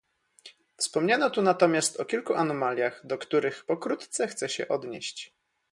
Wspomniano tu natomiast o kilku anomaliach, do których pokrótce chcę się odnieść